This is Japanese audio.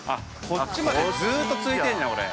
◆こっちまでずっと続いてんのや。